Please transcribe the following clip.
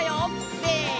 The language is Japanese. せの！